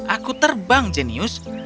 aku terbang jenius